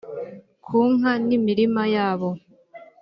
ku nka n imirima yabo